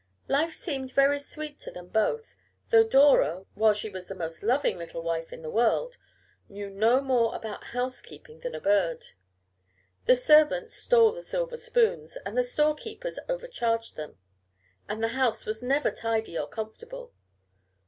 Life seemed very sweet to them both, though Dora, while she was the most loving little wife in the world, knew no more about housekeeping than a bird. The servants stole the silver spoons, and the storekeepers overcharged them, and the house was never tidy or comfortable.